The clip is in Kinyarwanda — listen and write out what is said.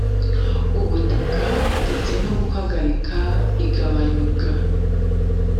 ubutaka ndetse no guhagarika igabanyuka